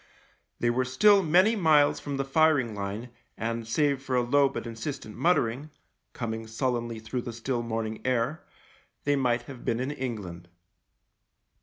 They were still many miles from the firing line and, save for a low but insistent muttering, coming sullenly through the still morning air, they might have been in England.